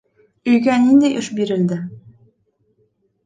Өйгә ниндәй эш бирелде?